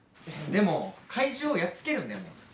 でも怪獣をやっつけるんだよね。